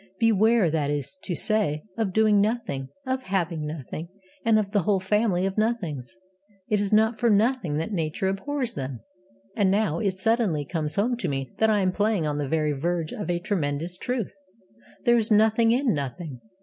Beware, that is to say, of Doing Nothing, of Having Nothing, and of the whole family of Nothings. It is not for nothing that Nature abhors them. And now it suddenly comes home to me that I am playing on the very verge of a tremendous truth. There is nothing in Nothing.